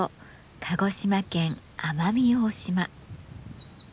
鹿児島県奄美大島。